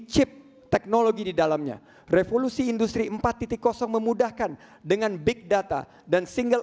chip teknologi di dalamnya revolusi industri empat memudahkan dengan big data dan single